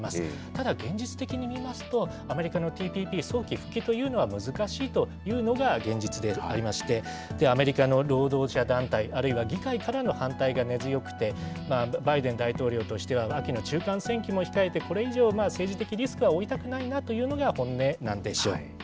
ただ現実的にいいますと、アメリカのＴＰＰ早期復帰というのは、難しいというのが現実でありまして、アメリカの労働者団体、あるいは議会からの反対が根強くて、バイデン大統領としては秋の中間選挙も控えて、これ以上、政治的リスクを負いたくないなというのが本音なんでしょう。